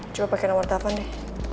coba pakai nomor telepon deh